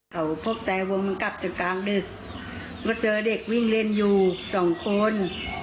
เขาพกแต่วงมันกลับจากกลางดึกก็เจอเด็กวิ่งเล่นอยู่สองคน